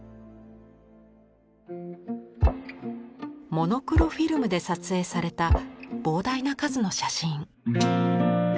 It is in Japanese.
モノクロフィルムで撮影された膨大な数の写真。